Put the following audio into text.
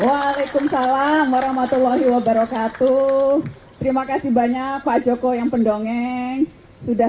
waalaikumsalam warahmatullahi wabarakatuh terima kasih banyak pak joko yang pendongeng sudah